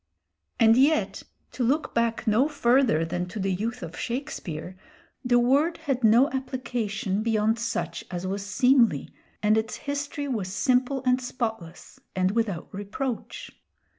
And yet to look back no further than to the youth of Shakespeare, the word had no application beyond such as was seemly, and its history was simple and spotless and without reproach.